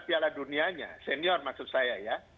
piala dunianya senior maksud saya ya